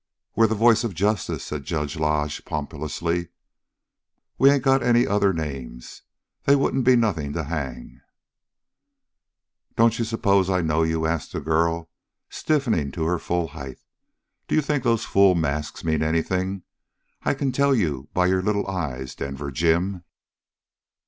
"We're the voice of justice," said Judge Lodge pompously. "We ain't got any other names. They wouldn't be nothing to hang." "Don't you suppose I know you?" asked the girl, stiffening to her full height. "D'you think those fool masks mean anything? I can tell you by your little eyes, Denver Jim!"